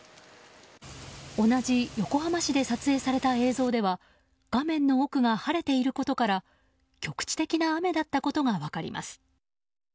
同じ横浜市で撮影された映像では画面の奥が晴れていることから局地的な雨だったことが分かります。